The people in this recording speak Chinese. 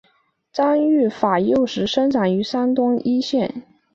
张玉法幼时生长于山东峄县。